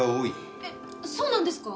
えっそうなんですか？